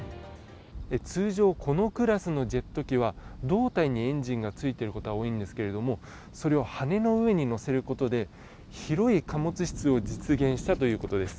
通常このクラスのジェット機は胴体にエンジンがついていることが多いんですけれども、それを羽の上に載せることで広い貨物室を実現したということです